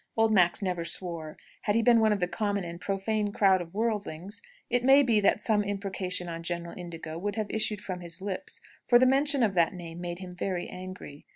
Old Max never swore. Had he been one of the common and profane crowd of worldlings, it may be that some imprecation on General Indigo would have issued from his lips; for the mention of that name made him very angry.